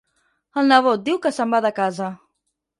El nebot diu que se'n va de casa.